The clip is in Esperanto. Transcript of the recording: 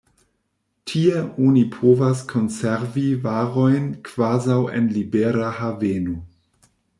Tie oni povas konservi varojn kvazaŭ en libera haveno.